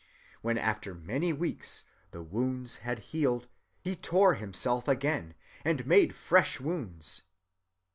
When after many weeks the wounds had healed, he tore himself again and made fresh wounds.